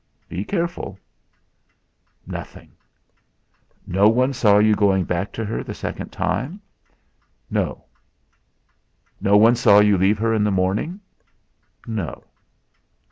"Be careful." "Nothing." "No one saw you going back to her the second time?" "No." "No one saw you leave her in the morning?" "No."